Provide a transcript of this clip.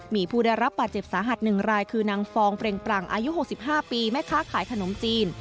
มีผู้ได้รับบาดเจ็บสาหัส๑รายคือนางฟองเปรงปรังอายุ๖๕ปีแม่ค้าขายขนมจีน